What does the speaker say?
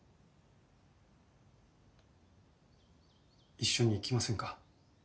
一緒に行きませんか？